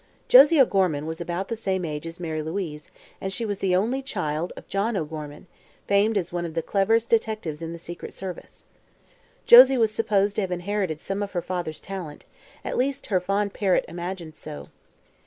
Josie O'Gorman was about the same age as Mary Louise and she was the only child of John O'Gorman, famed as one of the cleverest detectives in the Secret Service. Josie was supposed to have inherited some of her father's talent; at least her fond parent imagined so.